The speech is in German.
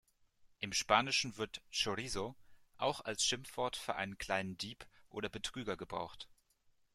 Im Spanischen wird "chorizo" auch als Schimpfwort für einen kleinen Dieb oder Betrüger gebraucht.